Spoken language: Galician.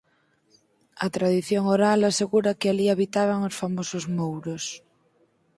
A tradición oral asegura que alí habitaban os famosos mouros.